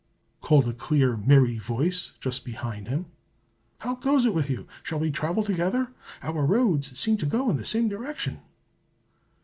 called a clear merry voice just behind him. "How goes it with you? Shall we travel together? Our roads seem to go in the same direction."